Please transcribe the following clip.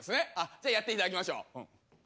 じゃあやって頂きましょう。